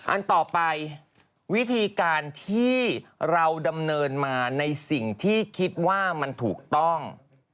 อันต่อไปวิธีการที่เราดำเนินมาในสิ่งที่คิดว่ามันถูกต้อง